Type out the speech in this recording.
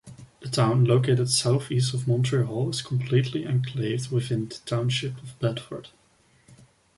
The town, located southeast of Montreal, is completely enclaved within the township of Bedford.